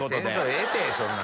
ええってそんな。